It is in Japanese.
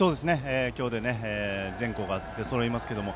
今日で全校が出そろいますけども。